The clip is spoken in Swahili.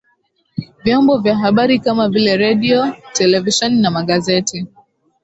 vyombo vya habari kama vile redio televisheni na magazeti